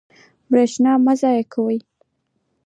برښنا مه ضایع کوئ